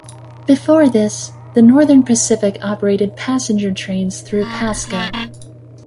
Before this, the Northern Pacific operated passenger trains through Pasco.